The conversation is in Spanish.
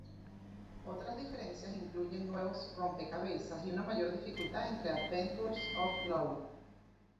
Otras diferencias incluyen nuevos rompecabezas y una mayor dificultad entre Adventures of Lolo.